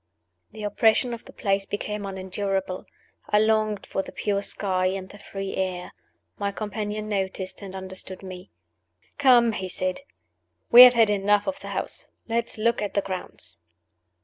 The oppression of the place became unendurable. I longed for the pure sky and the free air. My companion noticed and understood me. "Come," he said. "We have had enough of the house. Let us look at the grounds."